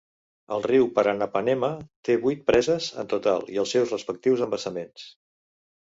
El riu Paranapanema té vuit preses en total i els seus respectius embassaments.